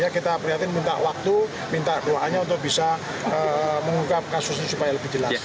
kita prihatin minta waktu minta doanya untuk bisa mengungkap kasusnya supaya lebih jelas